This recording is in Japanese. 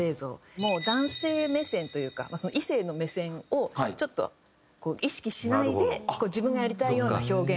もう男性目線というか異性の目線をちょっと意識しないで自分がやりたいような表現をする。